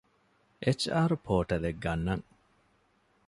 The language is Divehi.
އެޗް.އާރު ޕޯޓަލްއެއް ގަންނަން